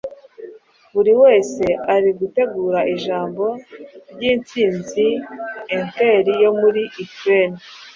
buri wese ari gutegura ijambo ry'intsinzi Inter yo muri Ukraine.